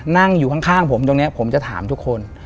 นั่งอยู่ข้างผมตรงนี้ผมจะถามทุกคน